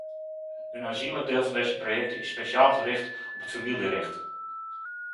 Een aanzienlijk deel van deze projecten is speciaal gericht op het familierecht.